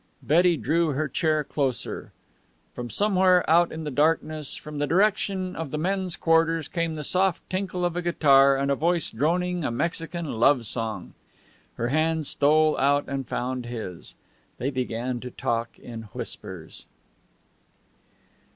Betty drew her chair closer. From somewhere out in the darkness, from the direction of the men's quarters, came the soft tinkle of a guitar and a voice droning a Mexican love song. Her hand stole out and found his. They began to talk in whispers.